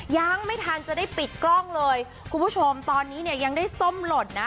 ยังไม่ทันจะได้ปิดกล้องเลยคุณผู้ชมตอนนี้เนี่ยยังได้ส้มหล่นนะ